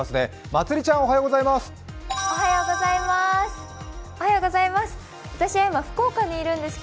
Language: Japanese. まつりちゃんおはようございます。